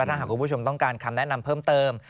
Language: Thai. ถ้าหากคุณผู้ชมต้องการคำแนะนำเพิ่มเติม